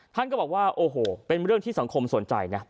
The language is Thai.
ท่านก็บอกว่าโอ้โหเป็นเรื่องที่สังคมสนใจนะ